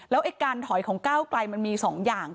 ไอ้การถอยของก้าวไกลมันมี๒อย่าง